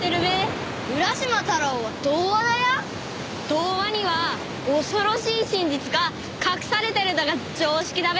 童話には恐ろしい真実が隠されてるだが常識だべ。